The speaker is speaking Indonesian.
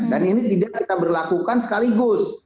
dan ini tidak kita berlakukan sekaligus